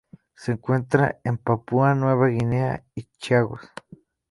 Se encuentra en Papúa Nueva Guinea y Chagos.